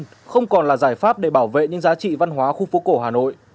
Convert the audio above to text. nhưng không còn là giải pháp để bảo vệ những giá trị văn hóa khu phố cổ hà nội